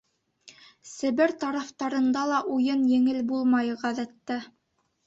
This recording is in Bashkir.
Себер тарафтарында ла уйын еңел булмай, ғәҙәттә.